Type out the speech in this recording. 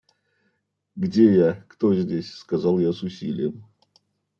«Где я? кто здесь?» – сказал я с усилием.